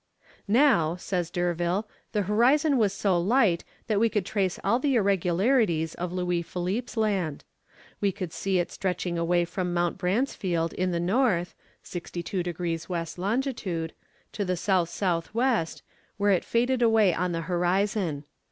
"Now," says D'Urville, "the horizon was so light that we could trace all the irregularities of Louis Philippe's Land. We could see it stretching away from Mount Bransfield in the north (62 degrees W. long.) to the S.S.W., where it faded away on the horizon.